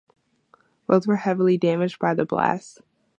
Both were heavily damaged by the blast.